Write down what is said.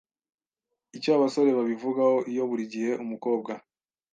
Icyo abasore babivugaho iyo buri gihe umukobwa